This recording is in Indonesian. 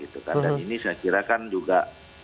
dan ini saya kira kan juga